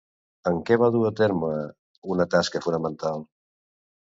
En què va dur a terme una tasca fonamental?